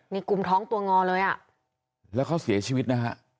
นี่กุมท้องตัวงอเลยอ่ะแล้วเขาเสียชีวิตนะฮะ